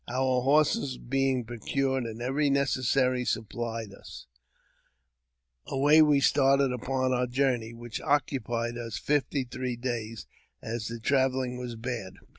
Our horses being procured, and every necessary supphed us, away we started upon our journey, which occupied us fifty three days, as the travelling was bad.